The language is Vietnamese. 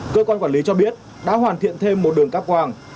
cơ quan quản lý cho biết đã hoàn thiện thêm một đường cáp quang